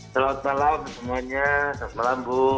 selamat malam semuanya selamat malam bu